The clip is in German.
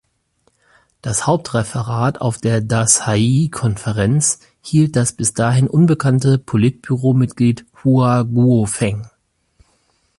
Das Hauptreferat auf der Dazhai-Konferenz hielt das bis dahin unbekannte Politbüro-Mitglied Hua Guofeng.